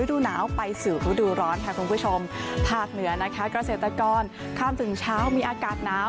รู้ดูหน้าไปสื่อรูดูร้อนค่ะคุณผู้ชมทางเหนือกระเศรษฐกรณ์ข้ามถึงเช้ามีอากาศนาว